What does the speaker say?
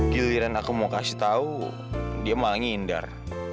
giliran aku mau kasih tau dia malah nyindar